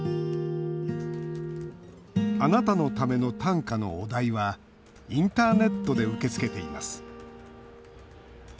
「あなたのための短歌」のお題はインターネットで受け付けています。